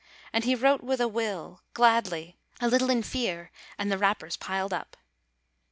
And he wrote with a will, gladly, a little in fear, and the wrappers piled up.